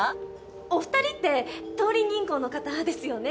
お２人って東林銀行の方ですよね。